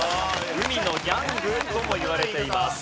海のギャングともいわれています。